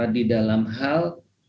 di dalam hal